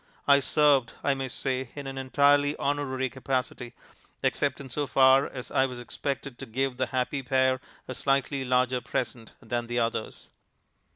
I served, I may say, in an entirely honorary capacity, except in so far as I was expected to give the happy pair a slightly larger present than the others.